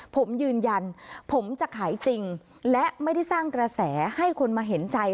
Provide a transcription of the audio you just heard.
ผมยืนยันผมจะขายจริงและไม่ได้สร้างกระแสให้คนมาเห็นใจ